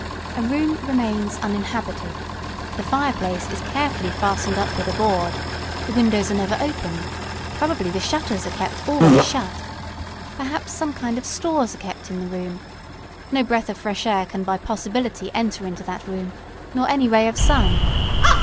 A room remains uninhabited; the fireplace is carefully fastened up with a board; the windows are never opened; probably the shutters are kept always shut; perhaps some kind of stores are kept in the room; no breath of fresh air can by possibility enter into that room, nor any ray of sun.